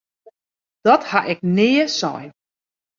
Dat ha ik nea sein!